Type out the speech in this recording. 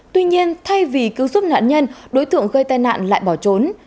tuy nhiên thay vì cứu giúp nạn nhân đối tượng gây tai nạn lại bỏ trốn